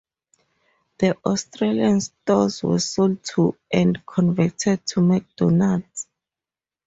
The Australian stores were sold to and converted to McDonalds.